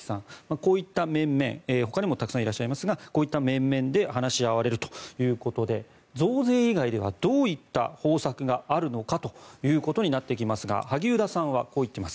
こういった面々ほかにもたくさんいらっしゃいますがこういった面々で話し合われるということで増税以外ではどういった方策があるのかということになってきますが、萩生田さんはこう言っています。